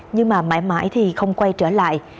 nhưng mà mãi mãi thì không quay trở lại